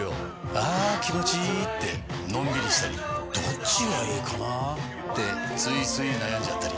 あ気持ちいいってのんびりしたりどっちがいいかなってついつい悩んじゃったり。